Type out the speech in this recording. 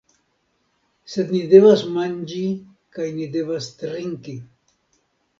Sed ni devas manĝi kaj ni devas trinki.